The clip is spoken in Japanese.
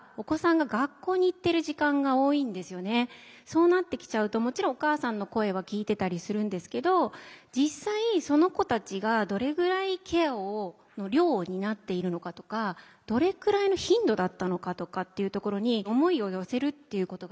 そうなってきちゃうともちろんお母さんの声は聞いてたりするんですけど実際その子たちがどれぐらいケアを量を担っているのかとかどれくらいの頻度だったのかとかっていうところに思いを寄せるっていうことができていない。